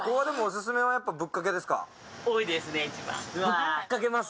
ぶっかけます？